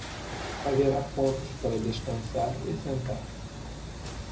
Haverá pontos para descansar e sentar